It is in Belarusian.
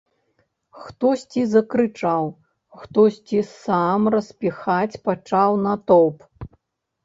Хтосьці закрычаў, хтосьці сам распіхаць пачаў натоўп.